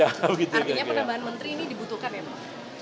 artinya penambahan menteri ini dibutuhkan ya prof